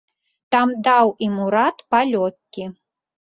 Там даў ім урад палёгкі.